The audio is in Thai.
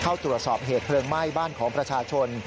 เข้าตรวจสอบเหตุเพลิงไหม้บ้านของประชาชน